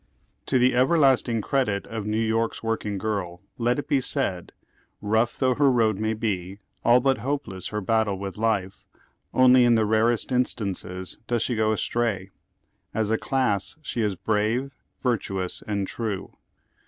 To the everlasting credit of New York's working girl let it be said that, rough tiiough her road be, all but hope less her battle with life, only in the rarest instances does she. go astray. As a class she is brave, virtuous, and true.